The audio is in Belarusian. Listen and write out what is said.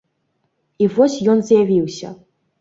І вось ён з'явіўся.